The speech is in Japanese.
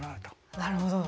なるほど。